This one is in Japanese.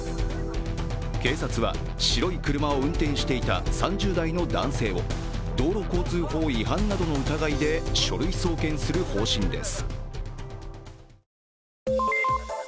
警察は白い車を運転していた３０代の男性を道路交通法違反などの疑いで書類送検する方針です。